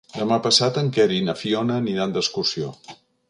Demà passat en Quer i na Fiona aniran d'excursió.